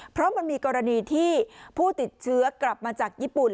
เพราะมันมีกรณีที่ผู้ติดเชื้อกลับมาจากญี่ปุ่น